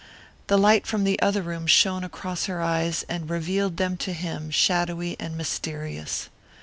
The light from the other room shone across her eyes and revealed them to him shadowy and mysterious.